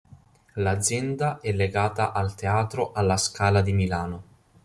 L'azienda è legata al Teatro alla Scala di Milano.